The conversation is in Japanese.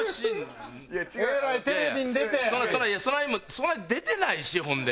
そこまで出てないしほんで。